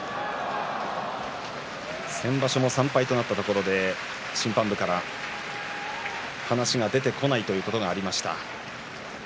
先場所も３敗となったところで審判部から話が出てこないというところがありました。